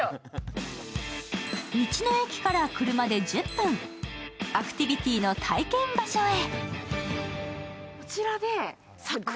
道の駅から来るまで１０分アクティビティの体験場所へ。